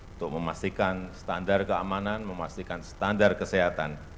untuk memastikan standar keamanan memastikan standar kesehatan